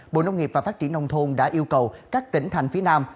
bộ nông nghiệp và phát triển nông thôn đã yêu cầu các tỉnh thành phía nam